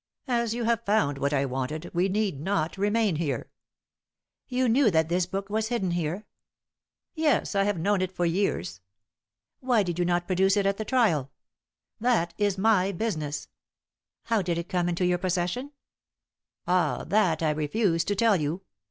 "As you have found what I wanted, we need not remain here." "You knew that this book was hidden here?" "Yes; I have known it for years." "Why did you not produce it at the trial?" "That is my business." "How did it come into your possession?" "Ah! that I refuse to tell you.